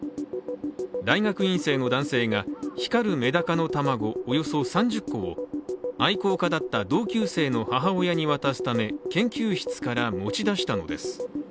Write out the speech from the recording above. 大学院生の男性が光るめだかの卵およそ３０個を愛好家だった同級生の母親に渡すため研究室から持ち出したのです。